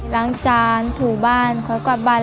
ล้างจานถูบ้านคอยกวาดบาน